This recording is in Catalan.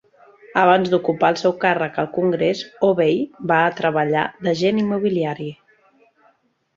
Abans d'ocupar el seu càrrec al congrés, Obey va treballar d'agent immobiliari.